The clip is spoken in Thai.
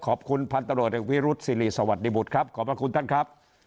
ขอบคุณพันตรวจเนื้อวิรุฑซีรีสวัสดิบุธครับขอบคุณท่านครับ